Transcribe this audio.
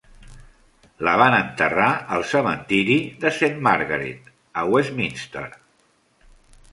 La van enterrar al cementiri de Saint Margaret, a Westminster.